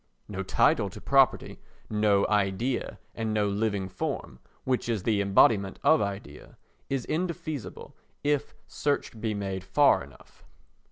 No title to property, no idea and no living form (which is the embodiment of idea) is indefeasible if search be made far enough.